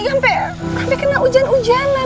sampai kena ujian ujianan